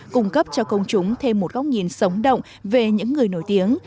cung cấp cho công chúng thêm một góc nhìn sống động về những người nổi tiếng